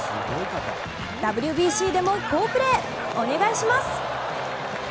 ＷＢＣでも好プレーお願いします。